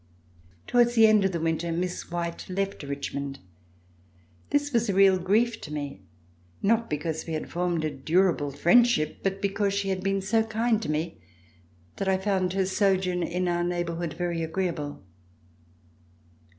Towards the end of the winter. Miss White left Richmond. This was a real grief to me, not because we had formed a durable friendship, but because she had been so kind to me that I had found her sojourn in our neighborhood very agreeable.